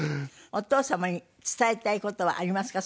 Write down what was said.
お父様に伝えたい事はありますか？